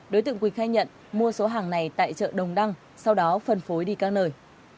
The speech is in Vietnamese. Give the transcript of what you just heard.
đối tượng quỳ khai nhận mua số hàng này tại chợ đồng đăng sau đó phân phối đi các nơi